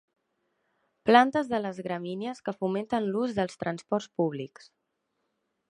Plantes de les gramínies que fomenten l'ús dels transports públics.